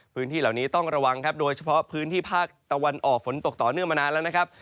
พื้นที่เหล่านี้ต้องระวังครับโดยเฉพาะพื้นที่ภาคตะวันออกฝนตกต่อเนื่องมานานแล้วนะครับ